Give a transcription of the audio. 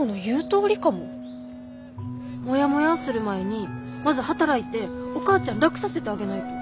もやもやーする前にまず働いてお母ちゃん楽させてあげないと。